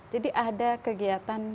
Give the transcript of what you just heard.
jadi ada kegiatan